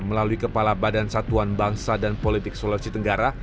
melalui kepala badan satuan bangsa dan politik sulawesi tenggara